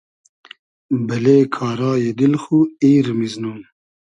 بئلې کارای دیل خو ایر میزنوم